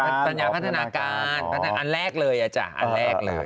สัญญาพัฒนาการอันแรกเลยอ่ะจ้ะอันแรกเลย